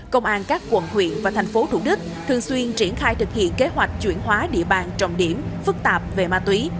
công an các quận huyện và thành phố thủ đức thường xuyên triển khai thực hiện kế hoạch chuyển hóa địa bàn trọng điểm phức tạp về ma túy